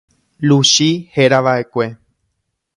Luchi herava'ekue.